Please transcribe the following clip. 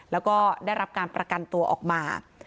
แล้วก็ได้รับการประกันตัวออกมา